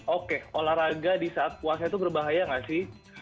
oke olahraga di saat puasa itu berbahaya nggak sih